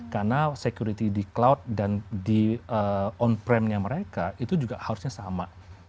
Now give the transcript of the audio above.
karena security di cloud dan di on prem nya mereka itu juga harusnya sama